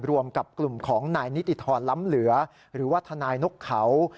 รวมกับกลุ่มของนายนิติธรล้ำเหลือหรือว่าทนายนกเขา